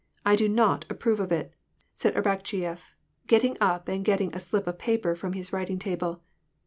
I do not approve of it," said Arak cheyef, getting up and getting a slip of paper from his writing table.